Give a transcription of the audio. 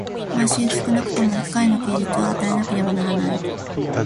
毎週少くとも一回の休日を与えなければならない。